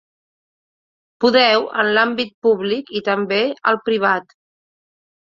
Podeu, en l’àmbit públic i també al privat.